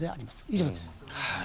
以上です。